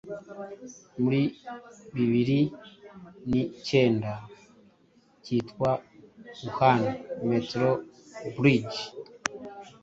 muri bibiri ni kenda kitwa Wuhan metro bridge